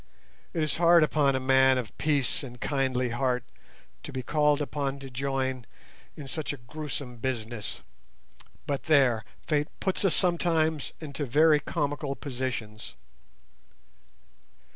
It is hard upon a man of peace and kindly heart to be called upon to join in such a gruesome business. But there, fate puts us sometimes into very comical positions!